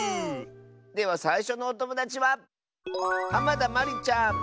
ではさいしょのおともだちはまりちゃんの。